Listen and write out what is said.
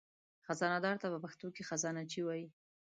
خزانهدار ته په پښتو کې خزانهچي وایي.